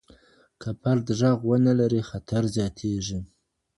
که فرد ږغ و نه لري خطر زياتيږي.